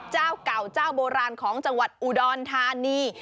เจ้าเก่าเจ้าโบราณของจังหวัดอุดรธานี